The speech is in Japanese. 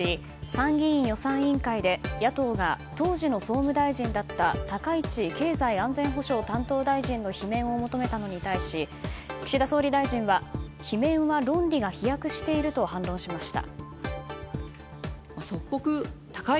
参議院予算委員会で野党が当時の総務大臣だった高市経済安全保障大臣の罷免を求めたのに対し岸田総理大臣は罷免は論理が飛躍していると反論しました。